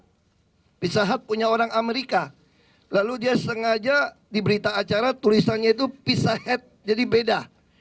hai pisahat punya orang amerika lalu dia sengaja diberita acara tulisannya itu pisahat jadi beda